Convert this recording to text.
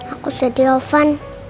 aku sedih irfan